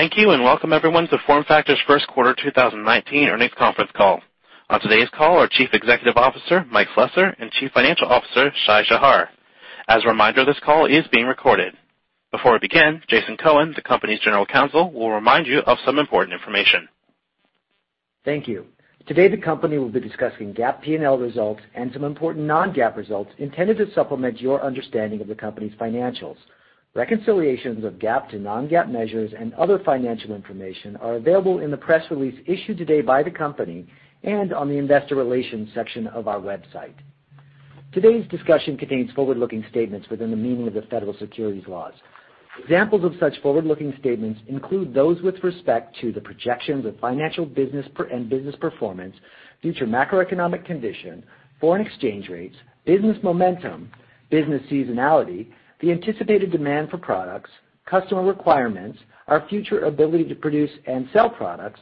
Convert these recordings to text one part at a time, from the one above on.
Thank you. Welcome everyone to FormFactor's first quarter 2019 earnings conference call. On today's call are Chief Executive Officer, Mike Slessor, and Chief Financial Officer, Shai Shahar. As a reminder, this call is being recorded. Before we begin, Jason Cohen, the company's General Counsel, will remind you of some important information. Thank you. Today, the company will be discussing GAAP P&L results and some important non-GAAP results intended to supplement your understanding of the company's financials. Reconciliations of GAAP to non-GAAP measures and other financial information are available in the press release issued today by the company and on the investor relations section of our website. Today's discussion contains forward-looking statements within the meaning of the federal securities laws. Examples of such forward-looking statements include those with respect to the projections of financial and business performance, future macroeconomic condition, foreign exchange rates, business momentum, business seasonality, the anticipated demand for products, customer requirements, our future ability to produce and sell products,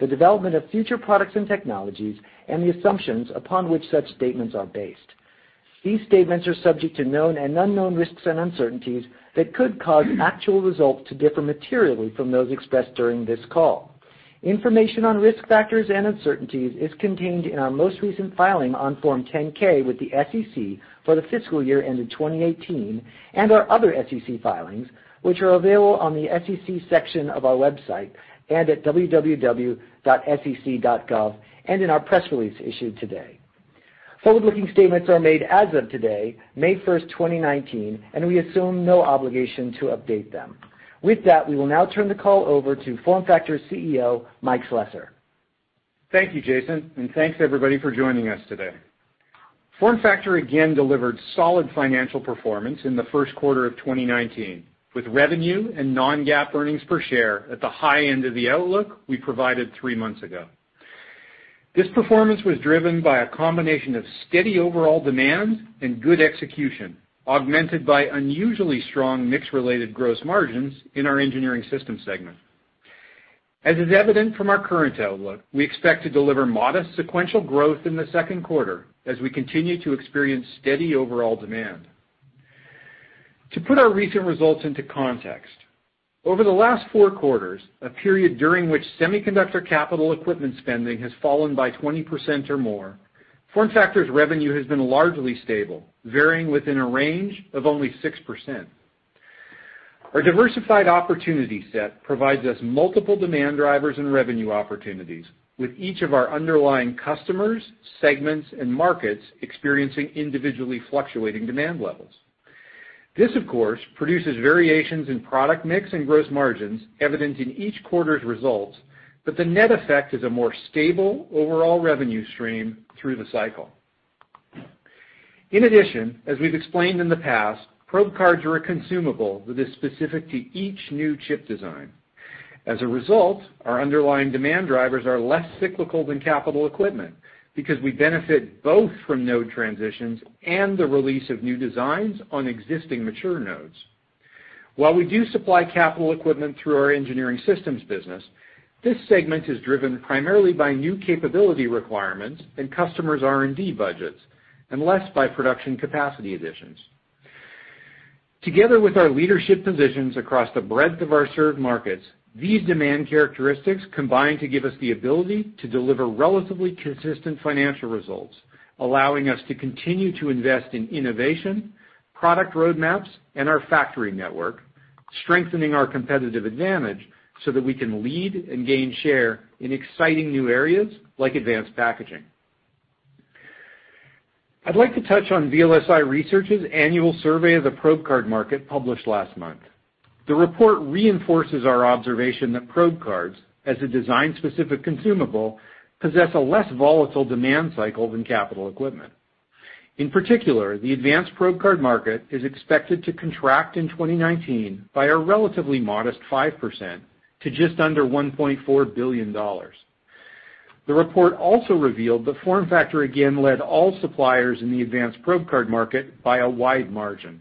the development of future products and technologies, and the assumptions upon which such statements are based. These statements are subject to known and unknown risks and uncertainties that could cause actual results to differ materially from those expressed during this call. Information on risk factors and uncertainties is contained in our most recent filing on Form 10-K with the SEC for the fiscal year ended 2018, and our other SEC filings, which are available on the SEC section of our website and at www.sec.gov, and in our press release issued today. Forward-looking statements are made as of today, May 1st, 2019, and we assume no obligation to update them. With that, we will now turn the call over to FormFactor CEO, Mike Slessor. Thank you, Jason. Thanks everybody for joining us today. FormFactor again delivered solid financial performance in the first quarter of 2019, with revenue and non-GAAP earnings per share at the high end of the outlook we provided three months ago. This performance was driven by a combination of steady overall demand and good execution, augmented by unusually strong mix-related gross margins in our engineering system segment. As is evident from our current outlook, we expect to deliver modest sequential growth in the second quarter as we continue to experience steady overall demand. To put our recent results into context, over the last four quarters, a period during which semiconductor capital equipment spending has fallen by 20% or more, FormFactor's revenue has been largely stable, varying within a range of only 6%. Our diversified opportunity set provides us multiple demand drivers and revenue opportunities with each of our underlying customers, segments, and markets experiencing individually fluctuating demand levels. This, of course, produces variations in product mix and gross margins evident in each quarter's results, but the net effect is a more stable overall revenue stream through the cycle. In addition, as we've explained in the past, probe cards are a consumable that is specific to each new chip design. As a result, our underlying demand drivers are less cyclical than capital equipment because we benefit both from node transitions and the release of new designs on existing mature nodes. While we do supply capital equipment through our engineering systems business, this segment is driven primarily by new capability requirements and customers' R&D budgets, and less by production capacity additions. Together with our leadership positions across the breadth of our served markets, these demand characteristics combine to give us the ability to deliver relatively consistent financial results, allowing us to continue to invest in innovation, product roadmaps, and our factory network, strengthening our competitive advantage so that we can lead and gain share in exciting new areas like advanced packaging. I'd like to touch on VLSI Research's annual survey of the probe card market published last month. The report reinforces our observation that probe cards, as a design-specific consumable, possess a less volatile demand cycle than capital equipment. In particular, the advanced probe card market is expected to contract in 2019 by a relatively modest 5% to just under $1.4 billion. The report also revealed that FormFactor again led all suppliers in the advanced probe card market by a wide margin.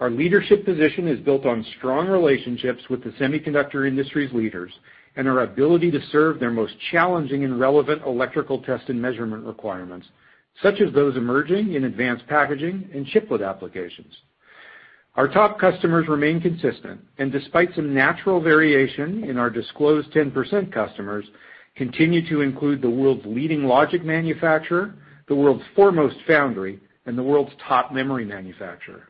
Our leadership position is built on strong relationships with the semiconductor industry's leaders and our ability to serve their most challenging and relevant electrical test and measurement requirements, such as those emerging in advanced packaging and chiplet applications. Our top customers remain consistent, and despite some natural variation in our disclosed 10% customers, continue to include the world's leading logic manufacturer, the world's foremost foundry, and the world's top memory manufacturer.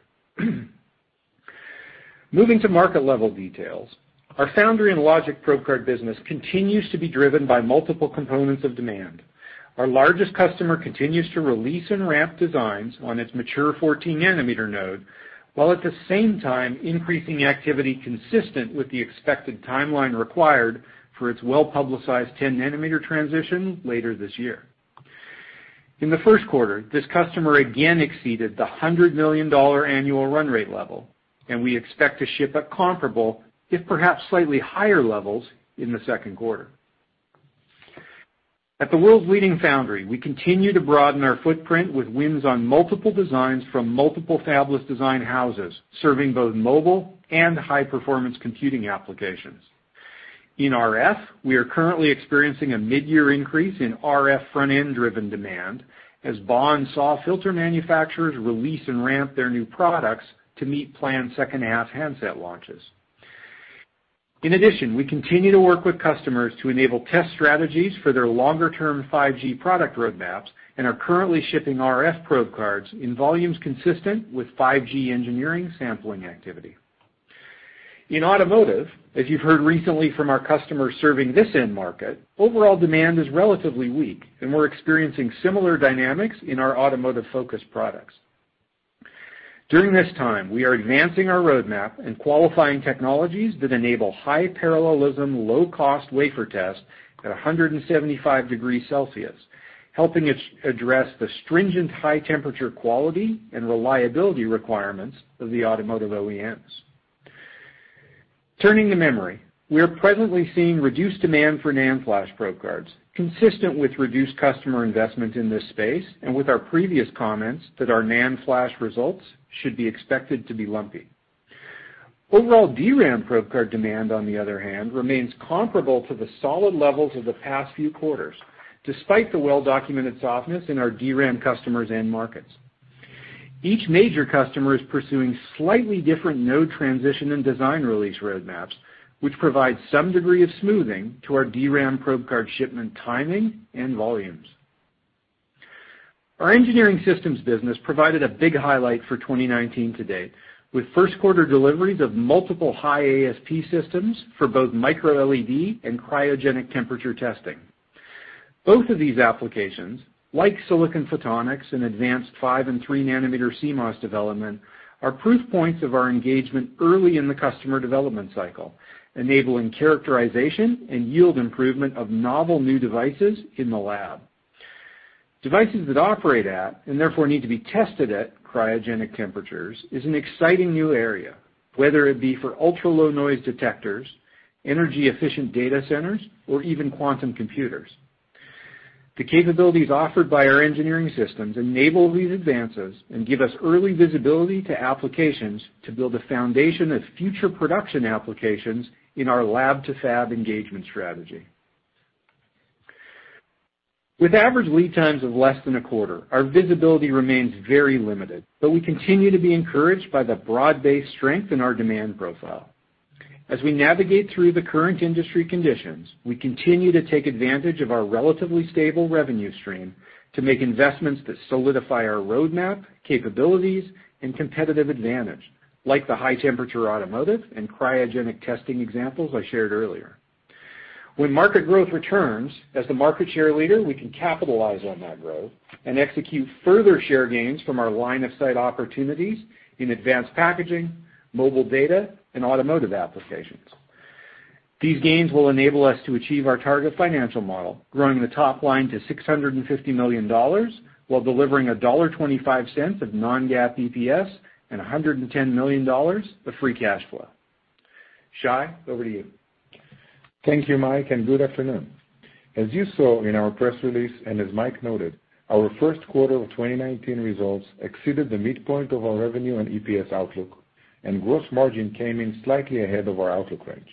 Moving to market-level details, our foundry and logic probe card business continues to be driven by multiple components of demand. Our largest customer continues to release and ramp designs on its mature 14 nanometer node, while at the same time increasing activity consistent with the expected timeline required for its well-publicized 10 nanometer transition later this year. In the first quarter, this customer again exceeded the $100 million annual run rate level, and we expect to ship at comparable, if perhaps slightly higher levels in the second quarter. At the world's leading foundry, we continue to broaden our footprint with wins on multiple designs from multiple fabless design houses, serving both mobile and high-performance computing applications. In RF, we are currently experiencing a mid-year increase in RF front-end driven demand as BAW/SAW filter manufacturers release and ramp their new products to meet planned second half handset launches. In addition, we continue to work with customers to enable test strategies for their longer-term 5G product roadmaps, and are currently shipping RF probe cards in volumes consistent with 5G engineering sampling activity. In automotive, as you've heard recently from our customers serving this end market, overall demand is relatively weak, and we're experiencing similar dynamics in our automotive-focused products. During this time, we are advancing our roadmap and qualifying technologies that enable high parallelism, low-cost wafer tests at 175 degrees Celsius, helping address the stringent high-temperature quality and reliability requirements of the automotive OEMs. Turning to memory. We are presently seeing reduced demand for NAND flash Probe Cards, consistent with reduced customer investment in this space and with our previous comments that our NAND flash results should be expected to be lumpy. Overall DRAM Probe Card demand, on the other hand, remains comparable to the solid levels of the past few quarters, despite the well-documented softness in our DRAM customers and markets. Each major customer is pursuing slightly different node transition and design release roadmaps, which provide some degree of smoothing to our DRAM Probe Card shipment timing and volumes. Our engineering Systems business provided a big highlight for 2019 to date, with first quarter deliveries of multiple high ASP systems for both micro-LED and cryogenic temperature testing. Both of these applications, like silicon photonics and advanced 5 and 3 nanometer CMOS development, are proof points of our engagement early in the customer development cycle, enabling characterization and yield improvement of novel new devices in the lab. Devices that operate at, and therefore need to be tested at cryogenic temperatures, is an exciting new area, whether it be for ultra-low noise detectors, energy-efficient data centers, or even quantum computers. The capabilities offered by our engineering systems enable these advances and give us early visibility to applications to build a foundation of future production applications in our lab to fab engagement strategy. With average lead times of less than a quarter, our visibility remains very limited, we continue to be encouraged by the broad-based strength in our demand profile. As we navigate through the current industry conditions, we continue to take advantage of our relatively stable revenue stream to make investments that solidify our roadmap, capabilities, and competitive advantage, like the high-temperature automotive and cryogenic testing examples I shared earlier. When market growth returns, as the market share leader, we can capitalize on that growth and execute further share gains from our line of sight opportunities in advanced packaging, mobile data, and automotive applications. These gains will enable us to achieve our target financial model, growing the top line to $650 million, while delivering $1.25 of non-GAAP EPS and $110 million of free cash flow. Shai, over to you. Thank you, Mike, and good afternoon. As you saw in our press release, and as Mike noted, our first quarter of 2019 results exceeded the midpoint of our revenue and EPS outlook, Gross margin came in slightly ahead of our outlook range.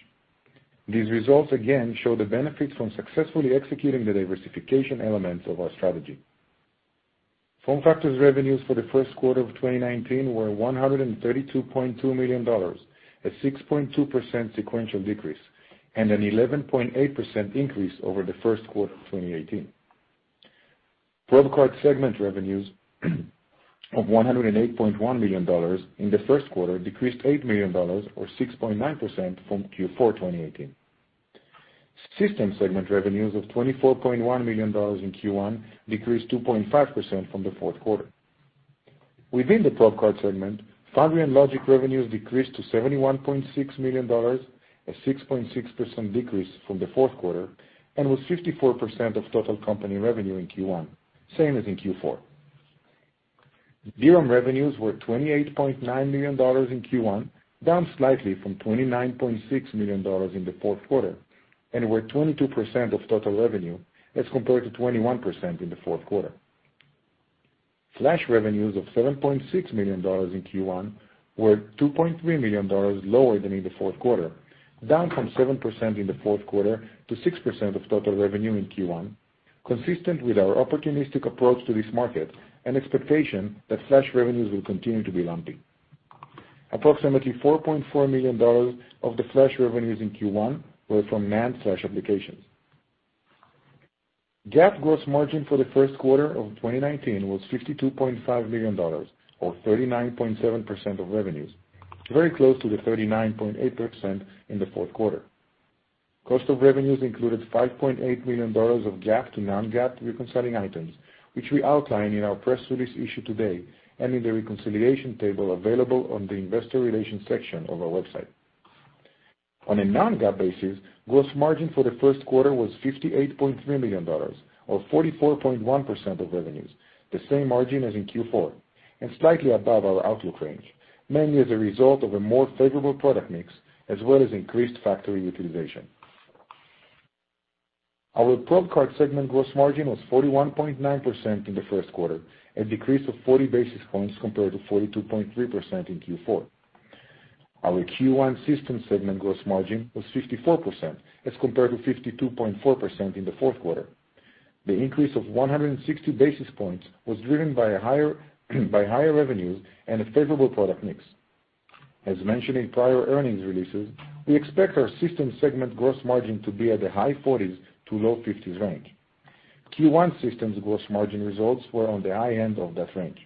These results again show the benefits from successfully executing the diversification elements of our strategy. FormFactor's revenues for the first quarter of 2019 were $132.2 million, a 6.2% sequential decrease, and an 11.8% increase over the first quarter of 2018. Probe Card segment revenues of $108.1 million in the first quarter decreased $8 million, or 6.9%, from Q4 2018. Systems segment revenues of $24.1 million in Q1 decreased 2.5% from the fourth quarter. Within the Probe Card segment, foundry and logic revenues decreased to $71.6 million, a 6.6% decrease from the fourth quarter, and was 54% of total company revenue in Q1, same as in Q4. DRAM revenues were $28.9 million in Q1, down slightly from $29.6 million in the fourth quarter, and were 22% of total revenue as compared to 21% in the fourth quarter. Flash revenues of $7.6 million in Q1 were $2.3 million lower than in the fourth quarter, down from 7% in the fourth quarter to 6% of total revenue in Q1, consistent with our opportunistic approach to this market and expectation that flash revenues will continue to be lumpy. Approximately $4.4 million of the flash revenues in Q1 were from NAND flash applications. GAAP gross margin for the first quarter of 2019 was $52.5 million, or 39.7% of revenues, very close to the 39.8% in the fourth quarter. Cost of revenues included $5.8 million of GAAP to non-GAAP reconciling items, which we outline in our press release issued today and in the reconciliation table available on the investor relations section of our website. On a non-GAAP basis, gross margin for the first quarter was $58.3 million, or 44.1% of revenues, the same margin as in Q4, and slightly above our outlook range, mainly as a result of a more favorable product mix, as well as increased factory utilization. Our Probe Card segment gross margin was 41.9% in the first quarter, a decrease of 40 basis points compared to 42.3% in Q4. Our Q1 System segment gross margin was 54%, as compared to 52.4% in the fourth quarter. The increase of 160 basis points was driven by higher revenues and a favorable product mix. As mentioned in prior earnings releases, we expect our Systems segment gross margin to be at the high 40s to low 50s range. Q1 Systems gross margin results were on the high end of that range.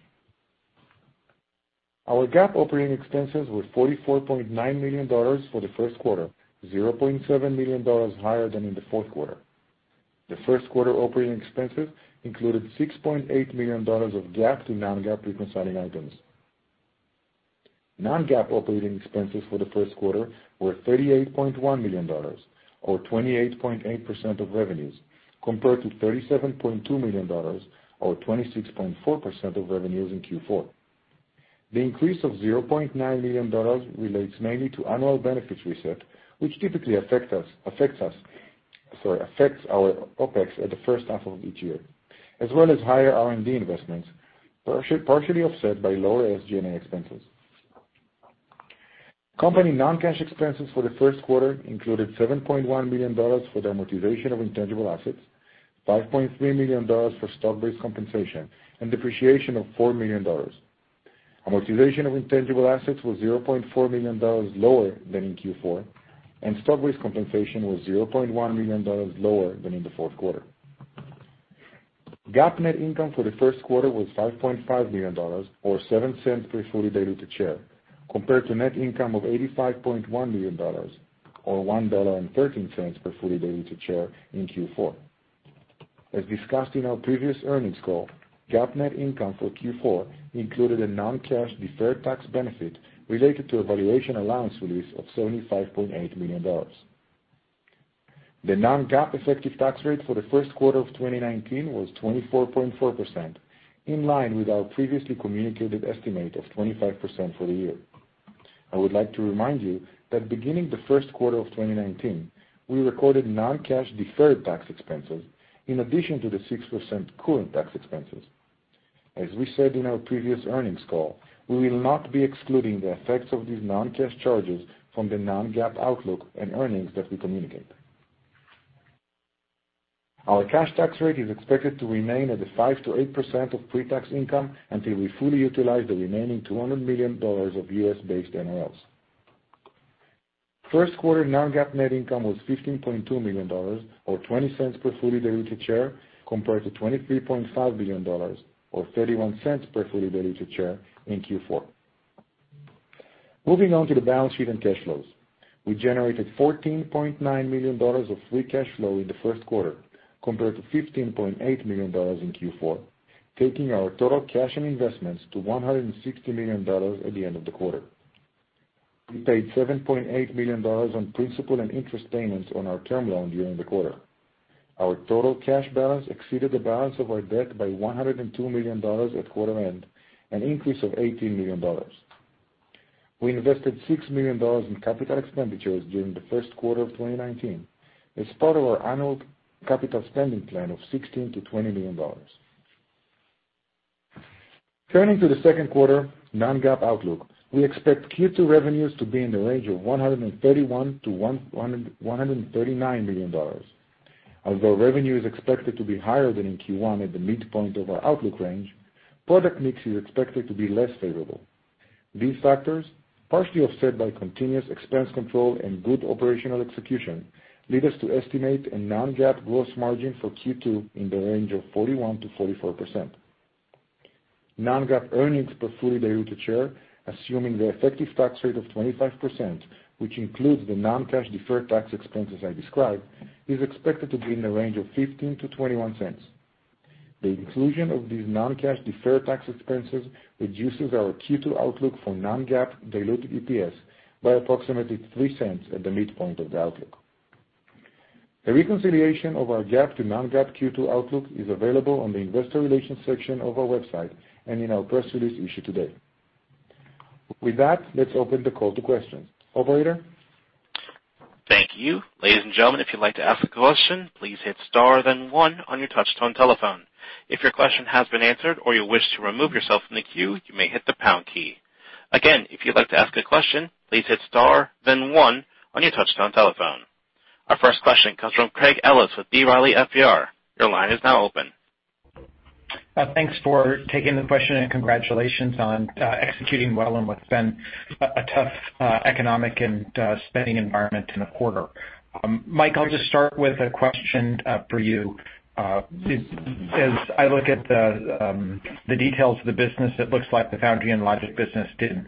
Our GAAP operating expenses were $44.9 million for the first quarter, $0.7 million higher than in the fourth quarter. The first quarter operating expenses included $6.8 million of GAAP to non-GAAP reconciling items. Non-GAAP operating expenses for the first quarter were $38.1 million, or 28.8% of revenues, compared to $37.2 million or 26.4% of revenues in Q4. The increase of $0.9 million relates mainly to annual benefits reset, which typically affects our OpEx at the first half of each year, as well as higher R&D investments, partially offset by lower SG&A expenses. Company non-cash expenses for the first quarter included $7.1 million for the amortization of intangible assets, $5.3 million for stock-based compensation, and depreciation of $4 million. Amortization of intangible assets was $0.4 million lower than in Q4, and stock-based compensation was $0.1 million lower than in the fourth quarter. GAAP net income for the first quarter was $5.5 million, or $0.07 per fully diluted share, compared to net income of $85.1 million or $1.13 per fully diluted share in Q4. As discussed in our previous earnings call, GAAP net income for Q4 included a non-cash deferred tax benefit related to a valuation allowance release of $75.8 million. The non-GAAP effective tax rate for the first quarter of 2019 was 24.4%, in line with our previously communicated estimate of 25% for the year. I would like to remind you that beginning the first quarter of 2019, we recorded non-cash deferred tax expenses in addition to the 6% current tax expenses. As we said in our previous earnings call, we will not be excluding the effects of these non-cash charges from the non-GAAP outlook and earnings that we communicate. Our cash tax rate is expected to remain at the 5%-8% of pre-tax income until we fully utilize the remaining $200 million of U.S.-based NOLs. First quarter non-GAAP net income was $15.2 million, or $0.20 per fully diluted share, compared to $23.5 million or $0.31 per fully diluted share in Q4. Moving on to the balance sheet and cash flows. We generated $14.9 million of free cash flow in the first quarter, compared to $15.8 million in Q4, taking our total cash and investments to $160 million at the end of the quarter. We paid $7.8 million on principal and interest payments on our term loan during the quarter. Our total cash balance exceeded the balance of our debt by $102 million at quarter end, an increase of $18 million. We invested $6 million in capital expenditures during the first quarter of 2019 as part of our annual capital spending plan of $16 million-$20 million. Turning to the second quarter non-GAAP outlook. We expect Q2 revenues to be in the range of $131 million-$139 million. Although revenue is expected to be higher than in Q1 at the midpoint of our outlook range, product mix is expected to be less favorable. These factors, partially offset by continuous expense control and good operational execution, lead us to estimate a non-GAAP gross margin for Q2 in the range of 41%-44%. Non-GAAP earnings per fully diluted share, assuming the effective tax rate of 25%, which includes the non-cash deferred tax expense as I described, is expected to be in the range of $0.15-$0.21. The inclusion of these non-cash deferred tax expenses reduces our Q2 outlook for non-GAAP diluted EPS by approximately $0.03 at the midpoint of the outlook. A reconciliation of our GAAP to non-GAAP Q2 outlook is available on the investor relations section of our website and in our press release issued today. With that, let's open the call to questions. Operator? Thank you. Ladies and gentlemen, if you'd like to ask a question, please hit star then one on your touch-tone telephone. If your question has been answered or you wish to remove yourself from the queue, you may hit the pound key. Again, if you'd like to ask a question, please hit star, then one on your touch-tone telephone. Our first question comes from Craig Ellis with B. Riley FBR. Your line is now open. Thanks for taking the question. Congratulations on executing well in what's been a tough economic and spending environment in the quarter. Mike, I'll just start with a question for you. As I look at the details of the business, it looks like the Foundry and Logic business did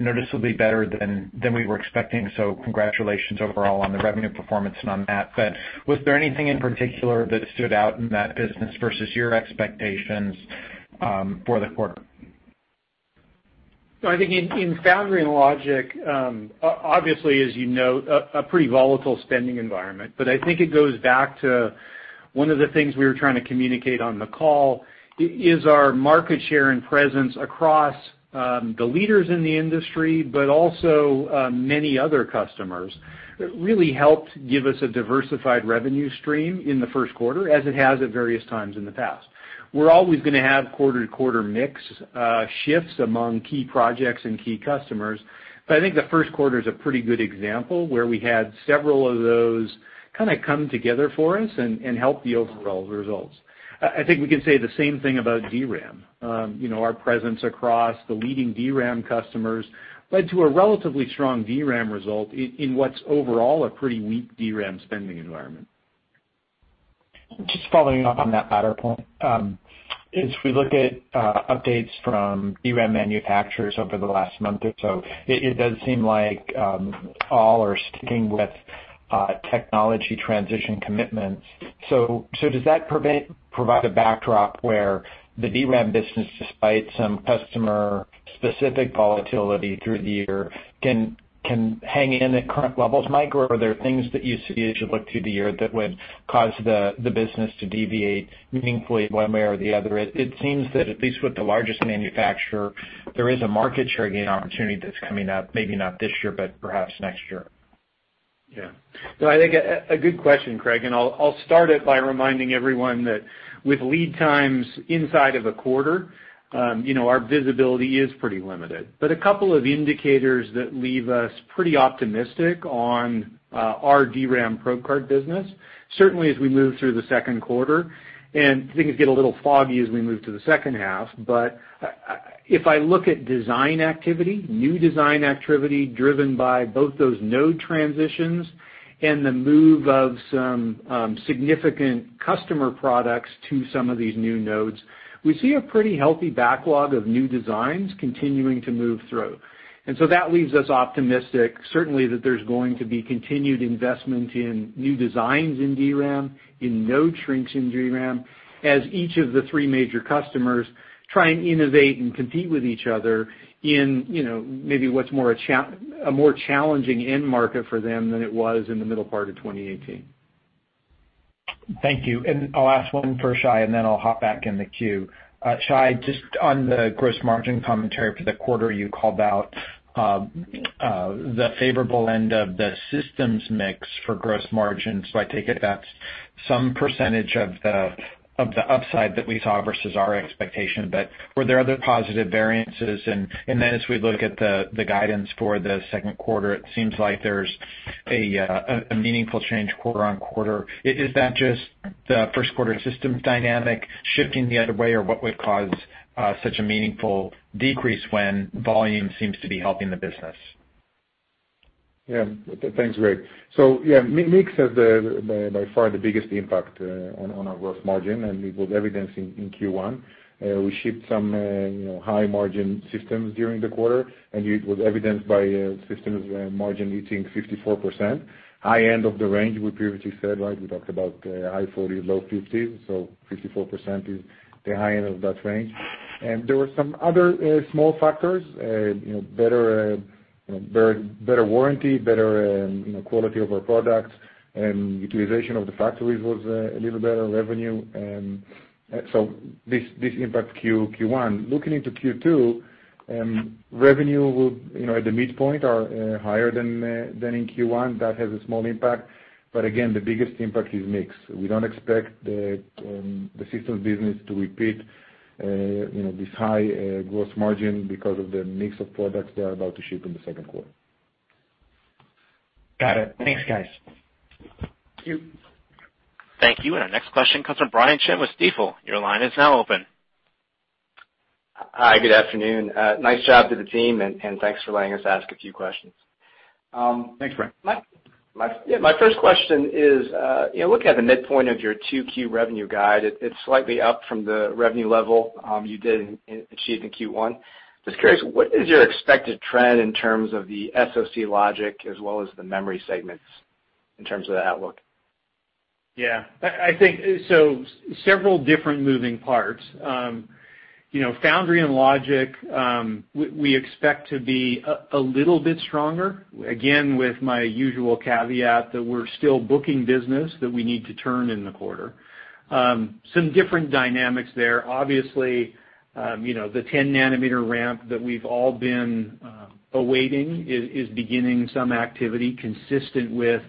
noticeably better than we were expecting, so congratulations overall on the revenue performance and on that. Was there anything in particular that stood out in that business versus your expectations for the quarter? I think in Foundry and Logic, obviously, as you know, a pretty volatile spending environment. I think it goes back to One of the things we were trying to communicate on the call is our market share and presence across the leaders in the industry, but also many other customers. It really helped give us a diversified revenue stream in the first quarter, as it has at various times in the past. We're always going to have quarter-to-quarter mix shifts among key projects and key customers. I think the first quarter is a pretty good example, where we had several of those kind of come together for us and help the overall results. I think we can say the same thing about DRAM. Our presence across the leading DRAM customers led to a relatively strong DRAM result in what's overall a pretty weak DRAM spending environment. Just following up on that latter point. As we look at updates from DRAM manufacturers over the last month or so, it does seem like all are sticking with technology transition commitments. Does that provide a backdrop where the DRAM business, despite some customer-specific volatility through the year, can hang in at current levels, Mike? Are there things that you see as you look through the year that would cause the business to deviate meaningfully one way or the other? It seems that at least with the largest manufacturer, there is a market share gain opportunity that's coming up, maybe not this year, but perhaps next year. Yeah. No, I think a good question, Craig. I'll start it by reminding everyone that with lead times inside of a quarter, our visibility is pretty limited. A couple of indicators that leave us pretty optimistic on our DRAM Probe Card business, certainly as we move through the second quarter, and things get a little foggy as we move to the second half. If I look at design activity, new design activity driven by both those node transitions and the move of some significant customer products to some of these new nodes, we see a pretty healthy backlog of new designs continuing to move through. That leaves us optimistic, certainly that there's going to be continued investment in new designs in DRAM, in node shrinks in DRAM, as each of the three major customers try and innovate and compete with each other in maybe what's a more challenging end market for them than it was in the middle part of 2018. Thank you. I'll ask one for Shai, then I'll hop back in the queue. Shai, just on the gross margin commentary for the quarter, you called out the favorable end of the systems mix for gross margin. I take it that's some percentage of the upside that we saw versus our expectation. Were there other positive variances? As we look at the guidance for the second quarter, it seems like there's a meaningful change quarter-on-quarter. Is that just the first quarter system dynamic shifting the other way, or what would cause such a meaningful decrease when volume seems to be helping the business? Yeah. Thanks, Craig. Yeah, mix has by far the biggest impact on our gross margin, and it was evidenced in Q1. We shipped some high-margin systems during the quarter, it was evidenced by systems margin hitting 54%, high end of the range we previously said. We talked about high 40s, low 50s, 54% is the high end of that range. There were some other small factors, better warranty, better quality of our products, and utilization of the factories was a little better revenue. This impacts Q1. Looking into Q2, revenue will at the midpoint or higher than in Q1, that has a small impact. Again, the biggest impact is mix. We don't expect the systems business to repeat this high gross margin because of the mix of products they are about to ship in the second quarter. Got it. Thanks, guys. Thank you. Thank you. Our next question comes from Brian Chin with Stifel. Your line is now open. Hi, good afternoon. Nice job to the team, thanks for letting us ask a few questions. Thanks, Brian. My first question is, looking at the midpoint of your 2Q revenue guide, it's slightly up from the revenue level you did achieve in Q1. Just curious, what is your expected trend in terms of the SoC logic as well as the memory segments in terms of the outlook? Yeah. Several different moving parts. Foundry and logic, we expect to be a little bit stronger, again, with my usual caveat that we're still booking business that we need to turn in the quarter. Some different dynamics there. Obviously, the 10 nanometer ramp that we've all been awaiting is beginning some activity consistent with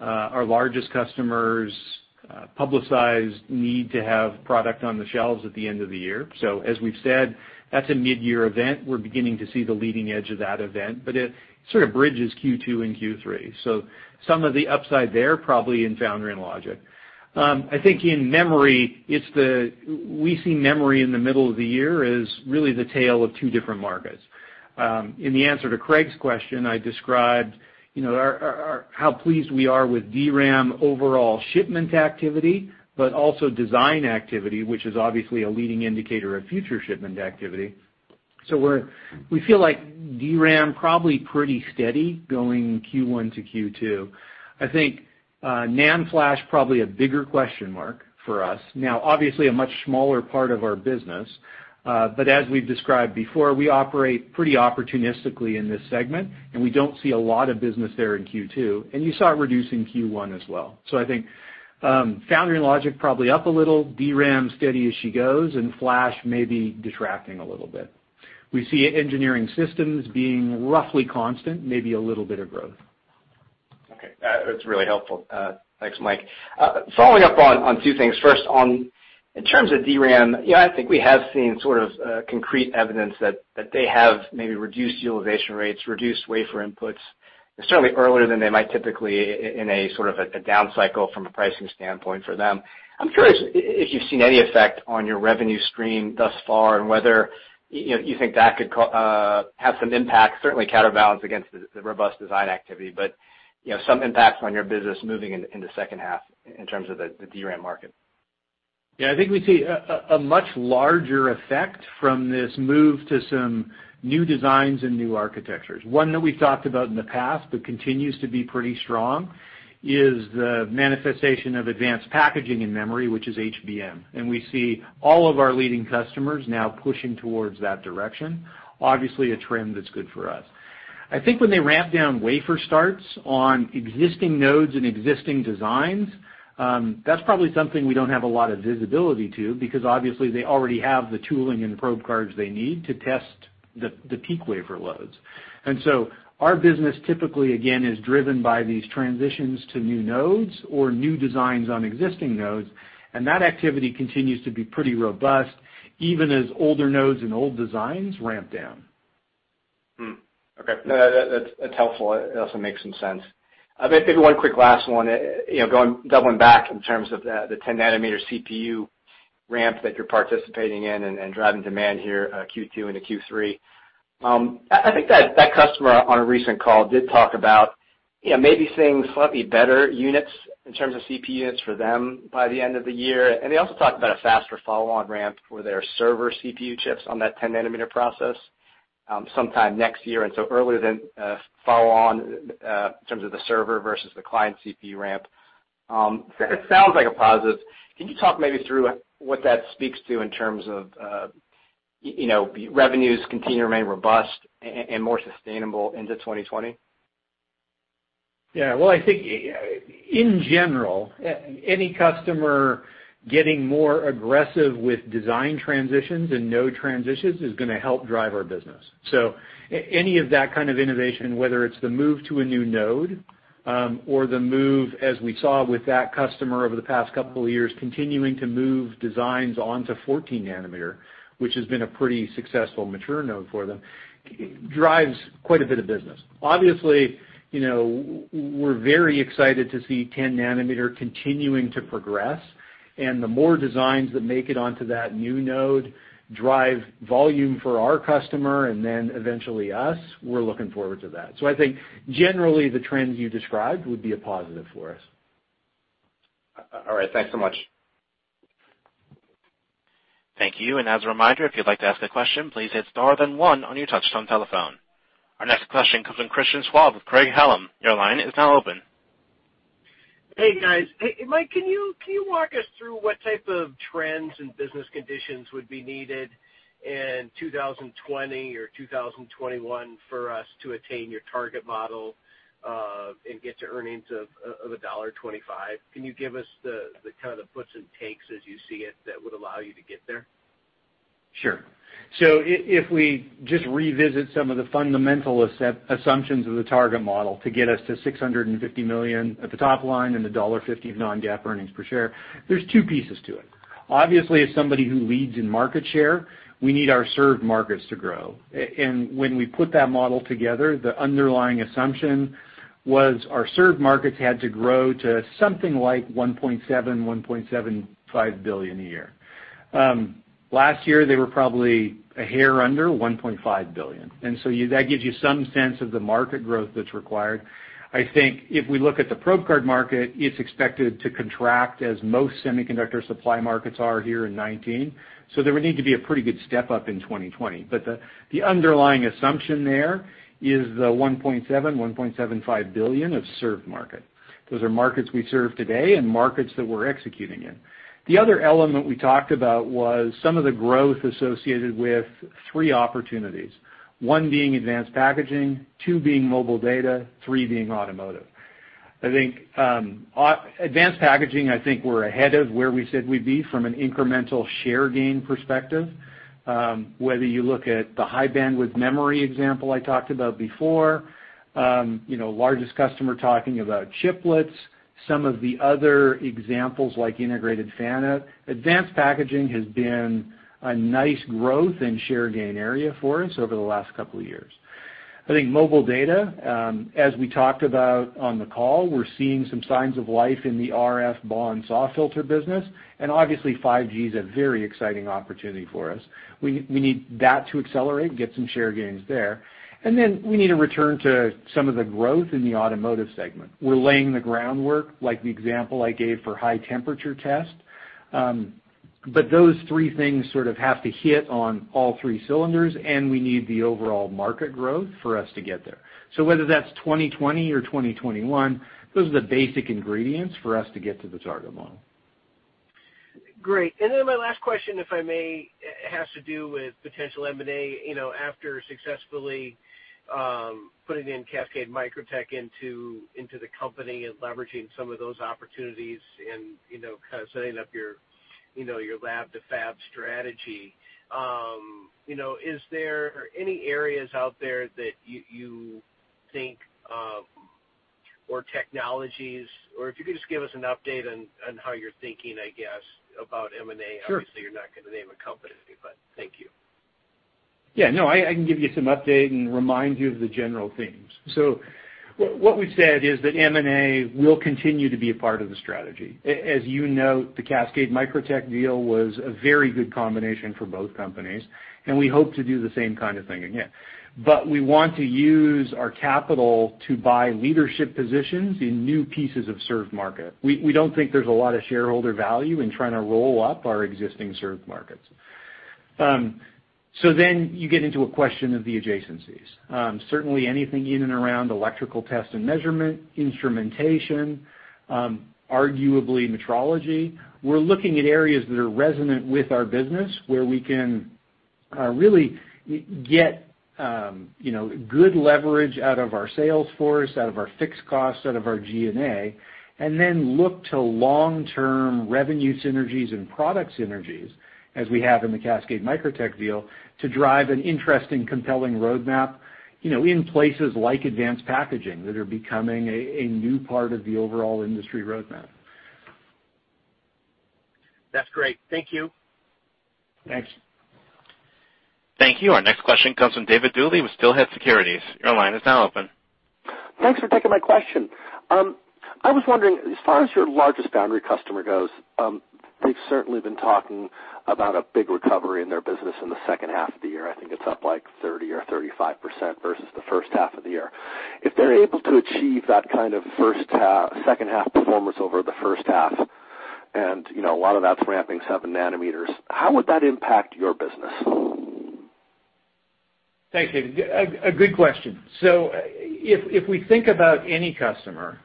our largest customer's publicized need to have product on the shelves at the end of the year. As we've said, that's a mid-year event. We're beginning to see the leading edge of that event, but it sort of bridges Q2 and Q3. Some of the upside there probably in foundry and logic. I think in memory, we see memory in the middle of the year as really the tale of two different markets. In the answer to Craig's question, I described how pleased we are with DRAM overall shipment activity, but also design activity, which is obviously a leading indicator of future shipment activity. We feel like DRAM probably pretty steady going Q1 to Q2. I think NAND flash probably a bigger question mark for us. Now, obviously a much smaller part of our business. As we've described before, we operate pretty opportunistically in this segment, and we don't see a lot of business there in Q2, and you saw it reduce in Q1 as well. I think Foundry and logic probably up a little, DRAM steady as she goes, and flash maybe detracting a little bit. We see engineering systems being roughly constant, maybe a little bit of growth. Okay. That's really helpful. Thanks, Mike. Following up on two things. First, in terms of DRAM, I think we have seen sort of concrete evidence that they have maybe reduced utilization rates, reduced wafer inputs, certainly earlier than they might typically in a sort of a down cycle from a pricing standpoint for them. I'm curious if you've seen any effect on your revenue stream thus far, and whether you think that could have some impact, certainly counterbalance against the robust design activity, but some impacts on your business moving into second half in terms of the DRAM market. Yeah. I think we see a much larger effect from this move to some new designs and new architectures. One that we've talked about in the past, but continues to be pretty strong, is the manifestation of advanced packaging in memory, which is HBM. We see all of our leading customers now pushing towards that direction. Obviously, a trend that's good for us. I think when they ramp down wafer starts on existing nodes and existing designs, that's probably something we don't have a lot of visibility to, because obviously they already have the tooling and probe cards they need to test the peak wafer loads. Our business typically, again, is driven by these transitions to new nodes or new designs on existing nodes, and that activity continues to be pretty robust even as older nodes and old designs ramp down. Okay. That's helpful. It also makes some sense. Maybe one quick last one, doubling back in terms of the 10-nanometer CPU ramp that you're participating in and driving demand here, Q2 into Q3. I think that customer on a recent call did talk about maybe seeing slightly better units in terms of CPU units for them by the end of the year. They also talked about a faster follow-on ramp for their server CPU chips on that 10-nanometer process sometime next year, and so earlier than follow-on in terms of the server versus the client CPU ramp. It sounds like a positive. Can you talk maybe through what that speaks to in terms of revenues continue to remain robust and more sustainable into 2020? Yeah. Well, I think in general, any customer getting more aggressive with design transitions and node transitions is going to help drive our business. Any of that kind of innovation, whether it's the move to a new node, or the move as we saw with that customer over the past couple of years, continuing to move designs onto 14-nanometer, which has been a pretty successful mature node for them, drives quite a bit of business. Obviously, we're very excited to see 10-nanometer continuing to progress, the more designs that make it onto that new node drive volume for our customer and then eventually us, we're looking forward to that. I think generally the trends you described would be a positive for us. All right. Thanks so much. Thank you. As a reminder, if you'd like to ask a question, please hit star then one on your touch-tone telephone. Our next question comes from Christian Schwab with Craig-Hallum. Your line is now open. Hey, guys. Hey, Mike, can you walk us through what type of trends and business conditions would be needed in 2020 or 2021 for us to attain your target model, and get to earnings of $1.25? Can you give us the kind of the puts and takes as you see it that would allow you to get there? Sure. If we just revisit some of the fundamental assumptions of the target model to get us to $650 million at the top line and $1.50 of non-GAAP earnings per share, there's two pieces to it. Obviously, as somebody who leads in market share, we need our served markets to grow. When we put that model together, the underlying assumption was our served markets had to grow to something like $1.7 billion, $1.75 billion a year. Last year, they were probably a hair under $1.5 billion. That gives you some sense of the market growth that's required. I think if we look at the Probe Card market, it's expected to contract as most semiconductor supply markets are here in 2019. There would need to be a pretty good step-up in 2020. But the underlying assumption there is the $1.7 billion, $1.75 billion of served market. Those are markets we serve today and markets that we're executing in. The other element we talked about was some of the growth associated with 3 opportunities. 1 being advanced packaging, 2 being mobile data, 3 being automotive. I think advanced packaging, I think we're ahead of where we said we'd be from an incremental share gain perspective. Whether you look at the high bandwidth memory example I talked about before, largest customer talking about chiplets. Some of the other examples like integrated fan-out. Advanced packaging has been a nice growth and share gain area for us over the last couple of years. I think mobile data, as we talked about on the call, we're seeing some signs of life in the RF BAW/SAW filter business, and obviously 5G is a very exciting opportunity for us. We need that to accelerate and get some share gains there. We need a return to some of the growth in the automotive segment. We're laying the groundwork, like the example I gave for high-temperature test. Those three things sort of have to hit on all three cylinders, and we need the overall market growth for us to get there. Whether that's 2020 or 2021, those are the basic ingredients for us to get to the target model. Great. My last question, if I may, has to do with potential M&A. After successfully putting in Cascade Microtech into the company and leveraging some of those opportunities and setting up your lab-to-fab strategy, is there any areas out there that you think, or technologies, or if you could just give us an update on how you're thinking, I guess, about M&A. Sure. Obviously, you're not going to name a company, thank you. I can give you some update and remind you of the general themes. What we've said is that M&A will continue to be a part of the strategy. As you note, the Cascade Microtech deal was a very good combination for both companies, and we hope to do the same kind of thing again. We want to use our capital to buy leadership positions in new pieces of served market. You get into a question of the adjacencies. Certainly anything in and around electrical test and measurement, instrumentation, arguably metrology. We're looking at areas that are resonant with our business, where we can really get good leverage out of our sales force, out of our fixed costs, out of our G&A, then look to long-term revenue synergies and product synergies, as we have in the Cascade Microtech deal, to drive an interesting, compelling roadmap in places like advanced packaging that are becoming a new part of the overall industry roadmap. That's great. Thank you. Thanks. Thank you. Our next question comes from David Duley with Steelhead Securities. Your line is now open. Thanks for taking my question. I was wondering, as far as your largest foundry customer goes, they've certainly been talking about a big recovery in their business in the second half of the year. I think it's up like 30% or 35% versus the first half of the year. If they're able to achieve that kind of second half performance over the first half, and a lot of that's ramping seven nanometers, how would that impact your business? Thanks, David. A good question. If we think about any customer,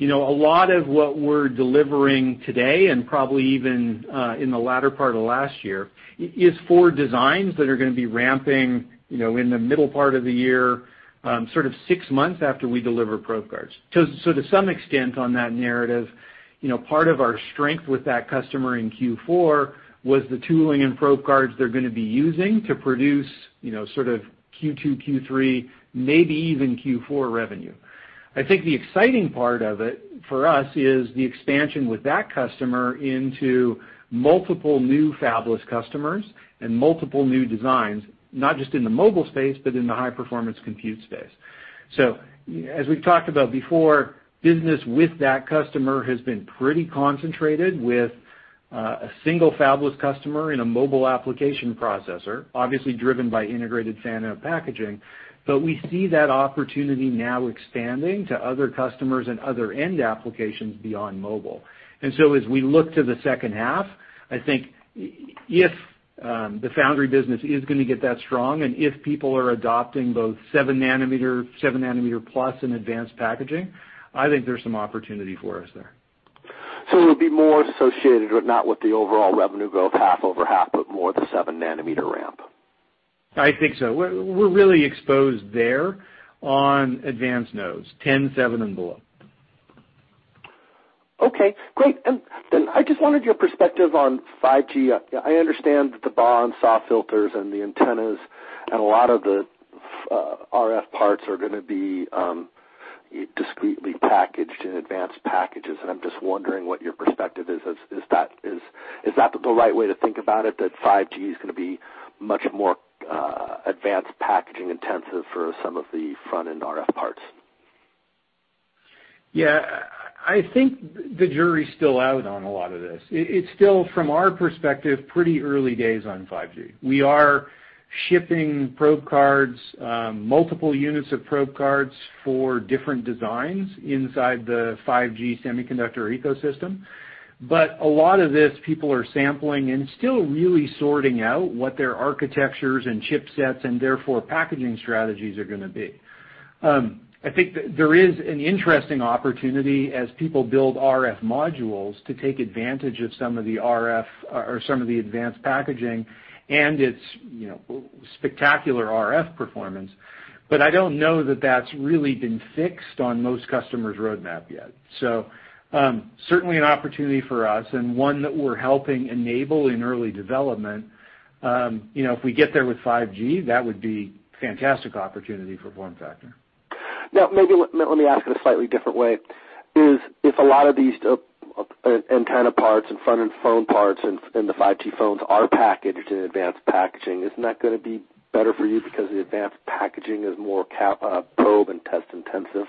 a lot of what we're delivering today and probably even in the latter part of last year, is for designs that are going to be ramping in the middle part of the year, sort of 6 months after we deliver Probe Cards. To some extent on that narrative, part of our strength with that customer in Q4 was the tooling and Probe Cards they're going to be using to produce sort of Q2, Q3, maybe even Q4 revenue. I think the exciting part of it for us is the expansion with that customer into multiple new fabless customers and multiple new designs, not just in the mobile space, but in the high-performance compute space. As we've talked about before, business with that customer has been pretty concentrated with a single fabless customer in a mobile application processor, obviously driven by integrated fan-out packaging. We see that opportunity now expanding to other customers and other end applications beyond mobile. As we look to the second half, I think if the foundry business is going to get that strong, and if people are adopting both 7 nanometer, 7 nanometer plus in advanced packaging, I think there's some opportunity for us there. It'll be more associated, but not with the overall revenue growth half-over-half, but more the 7-nanometer ramp. I think so. We're really exposed there on advanced nodes, 10, 7, and below. Okay, great. I just wanted your perspective on 5G. I understand that the BAW and SAW filters and the antennas and a lot of the RF parts are going to be discretely packaged in advanced packages, and I'm just wondering what your perspective is. Is that the right way to think about it, that 5G is going to be much more advanced packaging intensive for some of the front-end RF parts? Yeah. I think the jury's still out on a lot of this. It's still, from our perspective, pretty early days on 5G. We are shipping probe cards, multiple units of probe cards for different designs inside the 5G semiconductor ecosystem. A lot of this people are sampling and still really sorting out what their architectures and chipsets and therefore packaging strategies are going to be. I think there is an interesting opportunity as people build RF modules to take advantage of some of the RF or some of the advanced packaging and its spectacular RF performance. I don't know that that's really been fixed on most customers' roadmap yet. Certainly an opportunity for us and one that we're helping enable in early development. If we get there with 5G, that would be fantastic opportunity for FormFactor. Maybe let me ask it a slightly different way. If a lot of these antenna parts and front-end phone parts in the 5G phones are packaged in advanced packaging, isn't that going to be better for you because the advanced packaging is more probe and test intensive?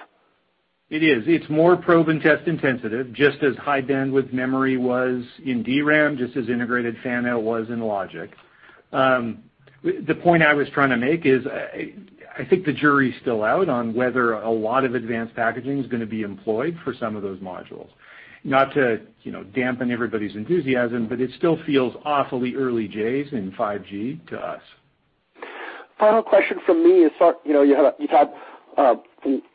It is. It's more probe and test intensive, just as high bandwidth memory was in DRAM, just as integrated fan-out was in logic. The point I was trying to make is I think the jury's still out on whether a lot of advanced packaging is going to be employed for some of those modules. Not to dampen everybody's enthusiasm, but it still feels awfully early days in 5G to us. Final question from me is, you've had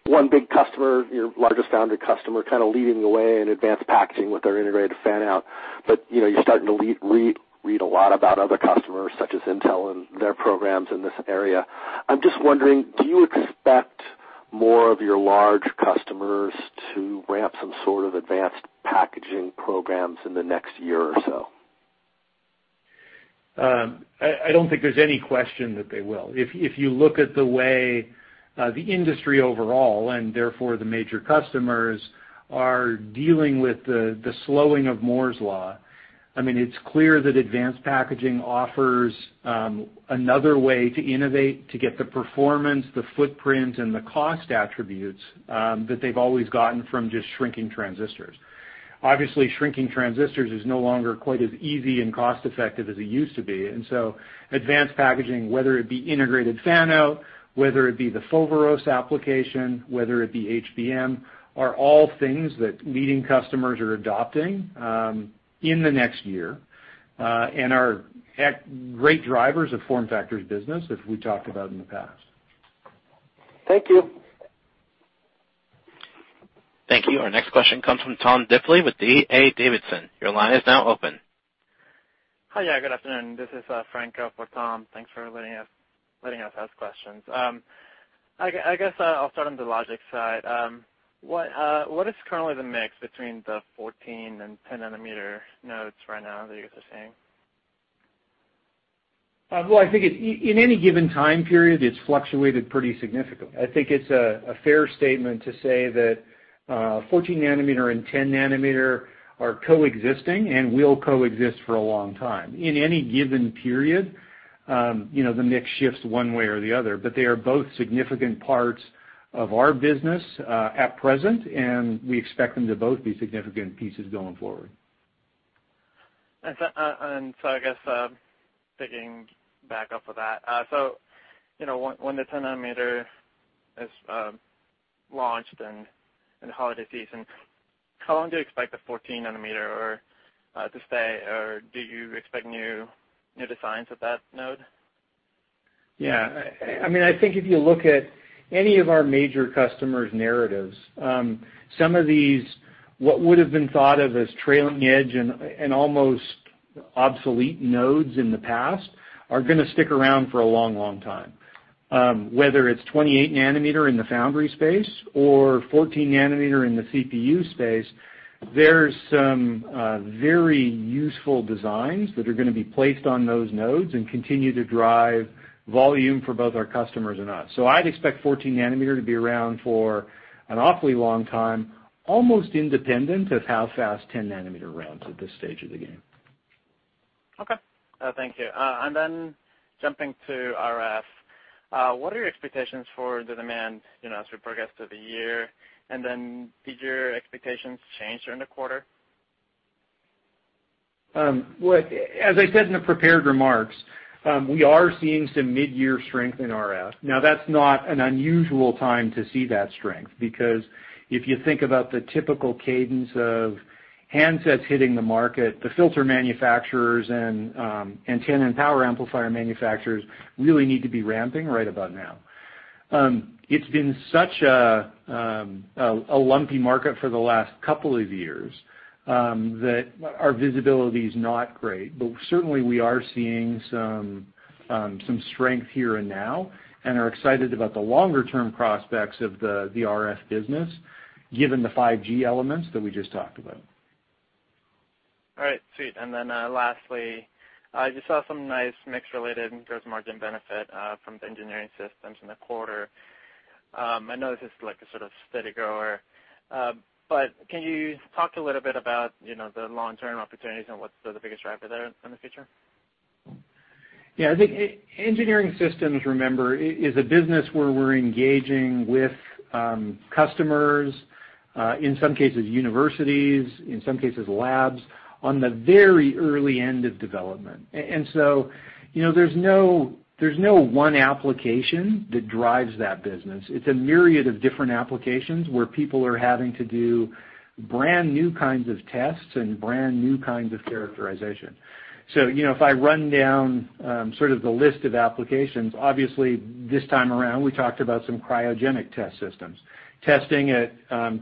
one big customer, your largest foundry customer kind of leading the way in advanced packaging with their integrated fan-out, you're starting to read a lot about other customers such as Intel and their programs in this area. I'm just wondering, do you expect more of your large customers to ramp some sort of advanced packaging programs in the next year or so? I don't think there's any question that they will. If you look at the way the industry overall, and therefore the major customers, are dealing with the slowing of Moore's Law, it's clear that advanced packaging offers another way to innovate, to get the performance, the footprint, and the cost attributes that they've always gotten from just shrinking transistors. Obviously, shrinking transistors is no longer quite as easy and cost-effective as it used to be. Advanced packaging, whether it be integrated fan-out, whether it be the Foveros application, whether it be HBM, are all things that leading customers are adopting in the next year, and are great drivers of FormFactor's business, as we talked about in the past. Thank you. Thank you. Our next question comes from Tom Diffely with D.A. Davidson. Your line is now open. Hi. Good afternoon. This is Franco for Tom. Thanks for letting us ask questions. I guess I'll start on the logic side. What is currently the mix between the 14 and 10 nanometer nodes right now that you guys are seeing? Well, I think in any given time period, it's fluctuated pretty significantly. I think it's a fair statement to say that 14 nanometer and 10 nanometer are coexisting and will coexist for a long time. In any given period, the mix shifts one way or the other, but they are both significant parts of our business at present, and we expect them to both be significant pieces going forward. I guess, picking back up with that. When the 10 nanometer is launched in the holiday season, how long do you expect the 14 nanometer to stay, or do you expect new designs at that node? Yeah. I think if you look at any of our major customers' narratives, some of these, what would've been thought of as trailing edge and almost obsolete nodes in the past, are going to stick around for a long time. Whether it's 28 nanometer in the foundry space or 14 nanometer in the CPU space, there's some very useful designs that are going to be placed on those nodes and continue to drive volume for both our customers and us. I'd expect 14 nanometer to be around for an awfully long time, almost independent of how fast 10 nanometer ramps at this stage of the game. Okay. Thank you. Jumping to RF, what are your expectations for the demand as we progress through the year? Did your expectations change during the quarter? As I said in the prepared remarks, we are seeing some mid-year strength in RF. That's not an unusual time to see that strength, because if you think about the typical cadence of handsets hitting the market, the filter manufacturers and antenna and power amplifier manufacturers really need to be ramping right about now. It's been such a lumpy market for the last couple of years, that our visibility's not great. We are seeing some strength here and now, and are excited about the longer-term prospects of the RF business, given the 5G elements that we just talked about. All right. Sweet. Lastly, I just saw some nice mix-related and gross margin benefit from the engineering systems in the quarter. I know this is like a sort of steady grower. Can you talk a little bit about the long-term opportunities and what's the biggest driver there in the future? Yeah. I think engineering systems, remember, is a business where we're engaging with customers, in some cases universities, in some cases labs, on the very early end of development. There's no one application that drives that business. It's a myriad of different applications where people are having to do brand-new kinds of tests and brand-new kinds of characterization. If I run down sort of the list of applications, obviously this time around, we talked about some cryogenic test systems, testing at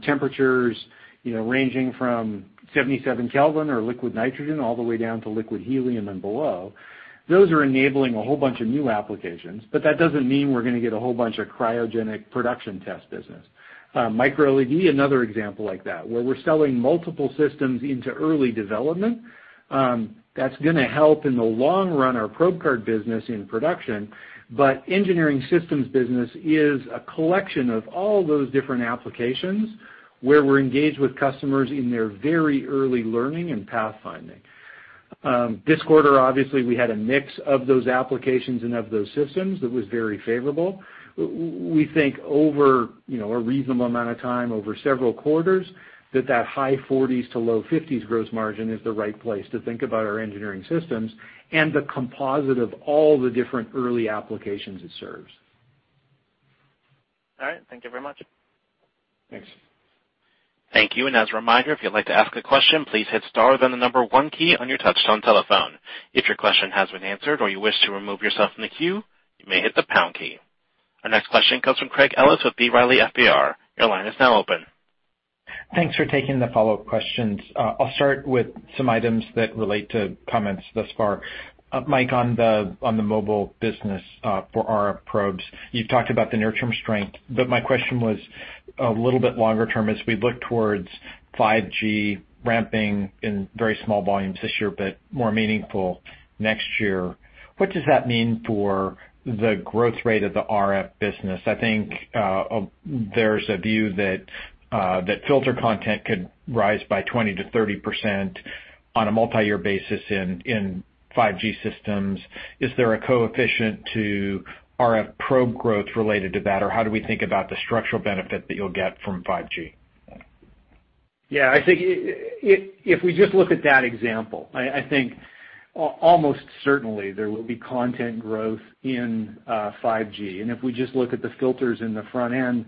temperatures ranging from 77 Kelvin or liquid nitrogen all the way down to liquid helium and below. Those are enabling a whole bunch of new applications, but that doesn't mean we're going to get a whole bunch of cryogenic production test business. micro-LED, another example like that, where we're selling multiple systems into early development. That's going to help in the long run our Probe Card business in production. Engineering systems business is a collection of all those different applications where we're engaged with customers in their very early learning and pathfinding. This quarter, obviously, we had a mix of those applications and of those systems that was very favorable. We think over a reasonable amount of time, over several quarters, that that high 40s to low 50s gross margin is the right place to think about our engineering systems and the composite of all the different early applications it serves. All right. Thank you very much. Thanks. Thank you. As a reminder, if you'd like to ask a question, please hit star, then the number 1 key on your touch-tone telephone. If your question has been answered or you wish to remove yourself from the queue, you may hit the pound key. Our next question comes from Craig Ellis with B. Riley FBR. Your line is now open. Thanks for taking the follow-up questions. I'll start with some items that relate to comments thus far. Mike, on the mobile business, for RF probes, you've talked about the near-term strength, but my question was a little bit longer term. As we look towards 5G ramping in very small volumes this year, but more meaningful next year, what does that mean for the growth rate of the RF business? I think there's a view that filter content could rise by 20%-30% on a multi-year basis in 5G systems. Is there a coefficient to RF probe growth related to that? Or how do we think about the structural benefit that you'll get from 5G? I think if we just look at that example, I think almost certainly there will be content growth in 5G. If we just look at the filters in the front end,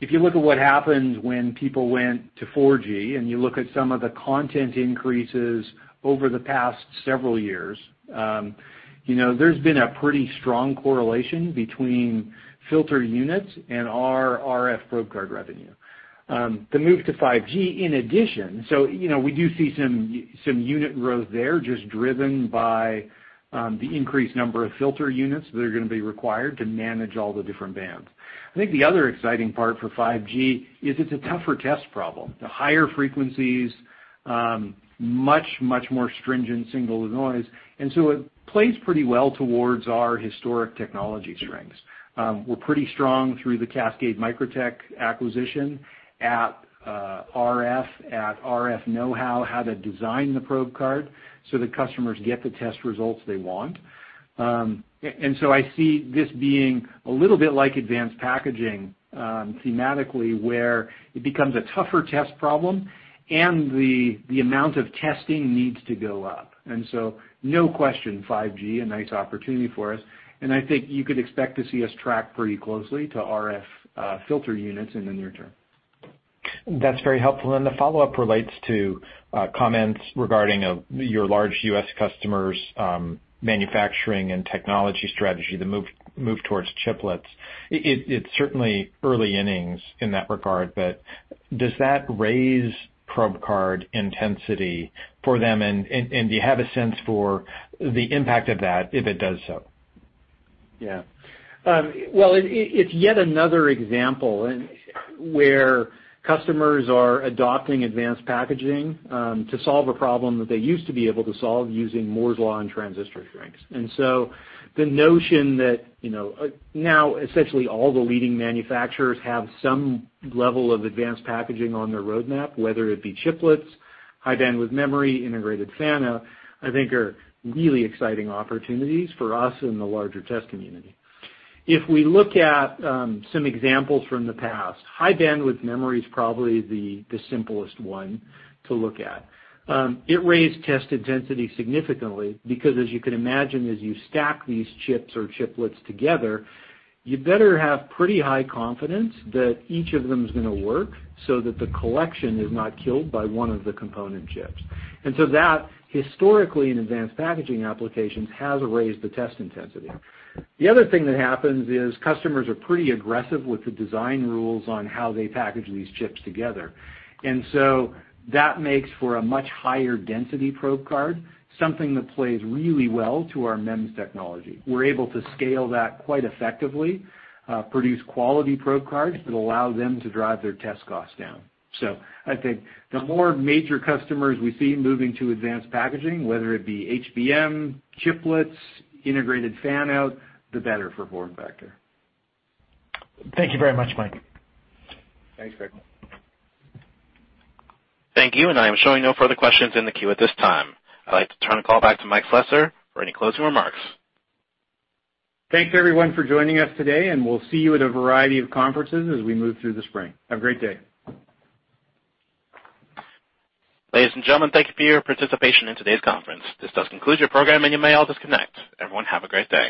if you look at what happened when people went to 4G, and you look at some of the content increases over the past several years, there's been a pretty strong correlation between filter units and our RF Probe Card revenue. The move to 5G, in addition, we do see some unit growth there just driven by the increased number of filter units that are going to be required to manage all the different bands. I think the other exciting part for 5G is it's a tougher test problem. The higher frequencies, much, much more stringent signal-to-noise, it plays pretty well towards our historic technology strengths. We're pretty strong through the Cascade Microtech acquisition at RF, at RF knowhow, how to design the Probe Card so that customers get the test results they want. I see this being a little bit like advanced packaging, thematically, where it becomes a tougher test problem and the amount of testing needs to go up. No question, 5G, a nice opportunity for us. I think you could expect to see us track pretty closely to RF filter units in the near term. That's very helpful. The follow-up relates to comments regarding your large U.S. customers' manufacturing and technology strategy, the move towards chiplets. It's certainly early innings in that regard, but does that raise Probe Card intensity for them, and do you have a sense for the impact of that, if it does so? Yeah. Well, it's yet another example where customers are adopting advanced packaging to solve a problem that they used to be able to solve using Moore's law and transistor shrinks. The notion that now essentially all the leading manufacturers have some level of advanced packaging on their roadmap, whether it be chiplets, high bandwidth memory, integrated fan-out, I think are really exciting opportunities for us and the larger test community. If we look at some examples from the past, high bandwidth memory is probably the simplest one to look at. It raised test intensity significantly because, as you can imagine, as you stack these chips or chiplets together, you better have pretty high confidence that each of them is going to work so that the collection is not killed by one of the component chips. That, historically, in advanced packaging applications, has raised the test intensity. The other thing that happens is customers are pretty aggressive with the design rules on how they package these chips together. That makes for a much higher density Probe Card, something that plays really well to our MEMS technology. We're able to scale that quite effectively, produce quality Probe Cards that allow them to drive their test costs down. I think the more major customers we see moving to advanced packaging, whether it be HBM, chiplets, integrated fan-out, the better for FormFactor. Thank you very much, Mike. Thanks, Craig. Thank you. I am showing no further questions in the queue at this time. I'd like to turn the call back to Mike Slessor for any closing remarks. Thanks, everyone, for joining us today. We'll see you at a variety of conferences as we move through the spring. Have a great day. Ladies and gentlemen, thank you for your participation in today's conference. This does conclude your program and you may all disconnect. Everyone have a great day.